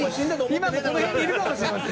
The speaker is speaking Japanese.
今もこの辺にいるかもしれません。